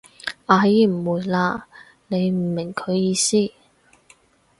阿姨誤會喇，你唔明佢意思？